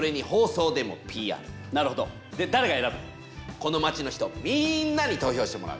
この町の人みんなに投票してもらう。